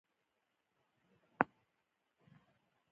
نو به هله زه خولګۍ درکړمه تاله.